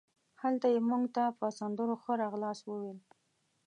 هلته یې مونږ ته په سندرو ښه راغلاست وویل.